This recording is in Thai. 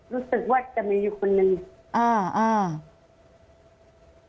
รู้สึกว่าจะมีคนนึง